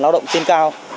lao động trên cao